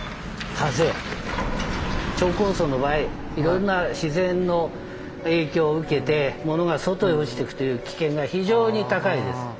超高層の場合いろんな自然の影響を受けて物が外へ落ちていくという危険が非常に高いです。